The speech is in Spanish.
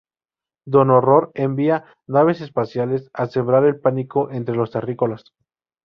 Don Horror envía naves espaciales a sembrar el pánico entre los Terrícolas.